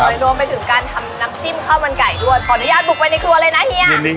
รวมไปถึงการทำน้ำจิ้มข้าวมันไก่ด้วยขออนุญาตบุกไปในครัวเลยนะเฮีย